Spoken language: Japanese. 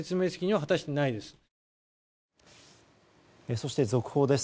そして、続報です。